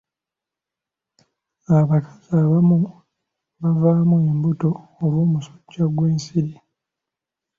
Abakazi abamu bavaamu embuto olw'omusujja gw'ensiri.